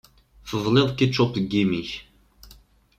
Teḍliḍ ketchup deg imi-k.